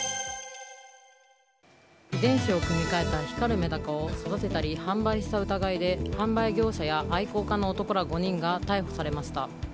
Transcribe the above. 遺伝子を組み替えた光るメダカを育てたり販売した疑いで販売業者や愛好家の男ら５人が逮捕されました。